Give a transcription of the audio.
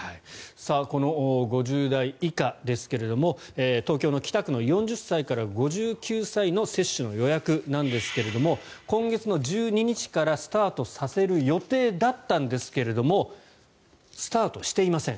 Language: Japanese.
この５０代以下ですが東京の北区の４０歳から５９歳の接種の予約なんですが今月１２日からスタートさせる予定だったんですがスタートしていません。